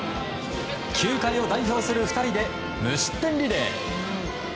球界を代表する２人で無失点リレー。